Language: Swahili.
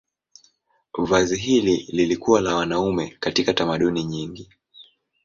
Vazi hili lilikuwa la wanaume katika tamaduni nyingi.